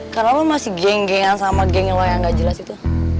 karena lo masih genggengan sama geng lo yang gak jelas itu